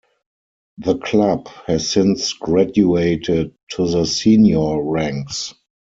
The club has since graduated to the senior ranks.